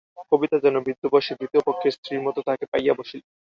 কবিতা যেন বৃদ্ধ বয়সের দ্বিতীয় পক্ষের স্ত্রীর মতো তাহাকে পাইয়া বসিল।